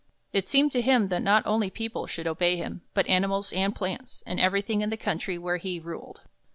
It seemed to him that not only people should obey him, but animals and plants, and everything in the country where he ruled.